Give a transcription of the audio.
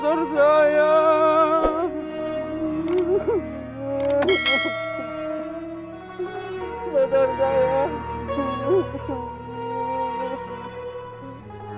contohnya berada di kantor dip violen